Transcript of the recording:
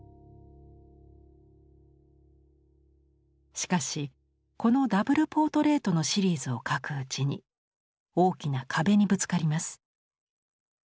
しかしこのダブル・ポートレートのシリーズを描くうちに大きな壁にぶつかります。